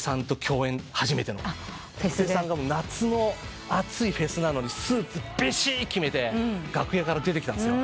布袋さんが夏のあついフェスなのにスーツびしっ決めて楽屋から出てきたんですよ。